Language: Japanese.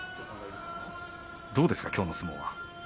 どうですか、きょうの相撲は。